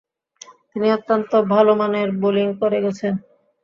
তিনি অত্যন্ত ভালোমানের বোলিং করে গেছেন।